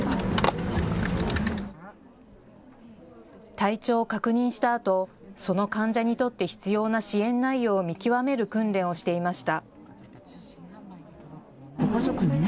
体調を確認したあと、その患者にとって必要な支援内容を見極める訓練をしていました。